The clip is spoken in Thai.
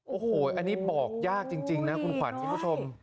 โอ้โหอันนี้บอกยากจริงนะคุณขวัญคุณผู้ชม